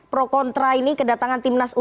pro contra ini kedatangan timnas